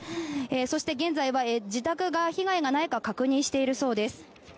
そして、現在は自宅が被害がないか確認しているそうです。